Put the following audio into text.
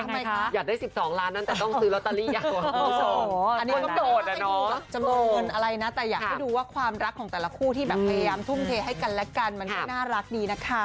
จะโดนเงินอะไรนะแต่อยากให้ดูว่าความรักของแต่ละคู่ที่แบบพยายามทุ่มเทให้กันและกันมันไม่น่ารักดีนะคะ